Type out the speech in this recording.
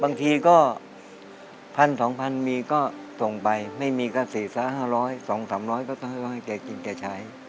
บางทีก็พันสองพันมีก็ส่งไปไม่มีก็สี่สามห้าร้อยสองสามร้อยก็ให้แกกินแกใช้